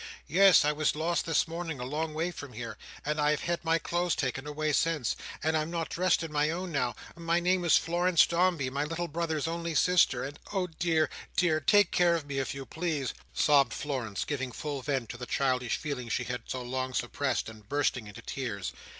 "Yes, I was lost this morning, a long way from here—and I have had my clothes taken away, since—and I am not dressed in my own now—and my name is Florence Dombey, my little brother's only sister—and, oh dear, dear, take care of me, if you please!" sobbed Florence, giving full vent to the childish feelings she had so long suppressed, and bursting into tears.